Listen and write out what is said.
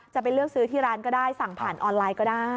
จะไปเลือกซื้อที่ร้านก็ได้สั่งผ่านออนไลน์ก็ได้